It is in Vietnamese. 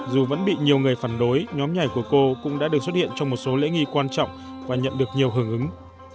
dù vẫn bị nhiều người phản đối nhóm nhảy của cô cũng đã được xuất hiện trong một số lễ nghi quan trọng và nhận được nhiều hưởng ứng